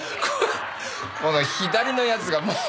この左の奴がもう。